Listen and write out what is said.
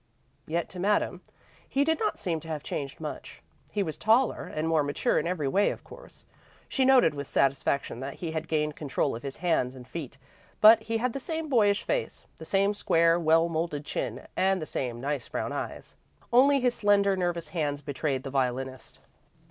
Yet, to Madame, he did not seem to have changed much. He was taller, and more mature in every way, of course. She noted with satisfaction that he had gained control of his hands and feet, but he had the same boyish face, the same square, well moulded chin, and the same nice brown eyes. Only his slender, nervous hands betrayed the violinist.